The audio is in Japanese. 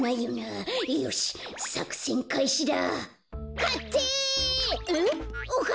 よし！